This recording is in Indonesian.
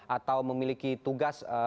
atau memiliki tugas